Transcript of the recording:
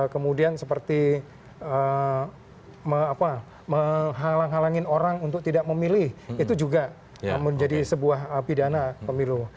kemudian seperti menghalang halangi orang untuk tidak memilih itu juga menjadi sebuah pidana pemilu